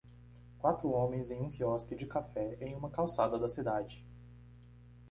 Quatro homens em um quiosque de café em uma calçada da cidade.